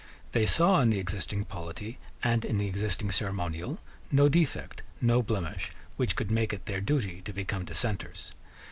They saw in the existing polity and in the existing ceremonial no defect, no blemish, which could make it their duty to become dissenters.